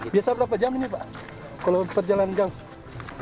biasa berapa jam ini pak kalau perjalanan gang